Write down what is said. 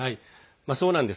そうなんです。